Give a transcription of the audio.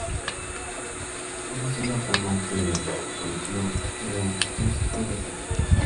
No sólo fue amante del folclor, era un músico versátil.